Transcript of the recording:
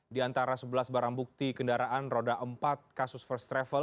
di antara sebelas barang bukti kendaraan roda empat kasus first travel